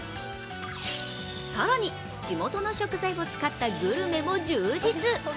更に地元の食材を使ったグルメも充実。